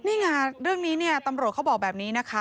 นี่ไงเรื่องนี้เนี่ยตำรวจเขาบอกแบบนี้นะคะ